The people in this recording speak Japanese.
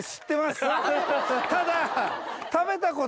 ただ。